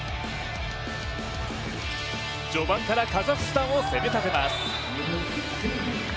序盤からカザフスタンを攻め立てます。